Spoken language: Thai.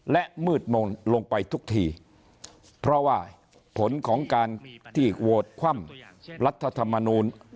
และมืดมนต์ลงไปทุกทีเพราะว่าผลของการที่โหวตคว่ำรัฐธรรมนูล